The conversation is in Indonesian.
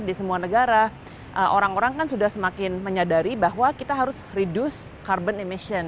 di semua negara orang orang kan sudah semakin menyadari bahwa kita harus reduce carbon emission